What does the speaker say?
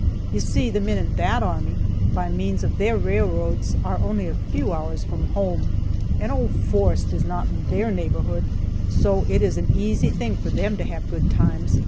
You see, the men in that army, by means of their railroads, are only a few hours from home, and old Forrest is not in their neighborhood, so it is an easy thing for them to have good times.